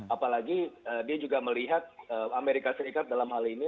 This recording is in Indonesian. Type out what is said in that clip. apalagi dia juga melihat amerika serikat dalam hal ini